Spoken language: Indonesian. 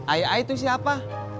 ai ai tu siapa